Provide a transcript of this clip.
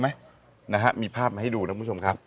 ผมขอดูภาพหน่อยได้ไหมมีภาพมาให้ดูนะคุณผู้ชมครับ